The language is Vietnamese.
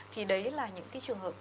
thì đấy là những cái trường hợp